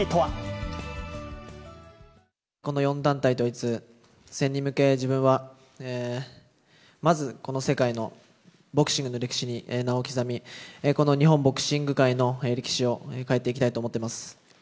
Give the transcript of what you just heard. この４団体統一戦に向け、自分はまず、この世界のボクシングの歴史に名を刻み、この日本ボクシング界の歴史を塗り替えていきたいと思ってます。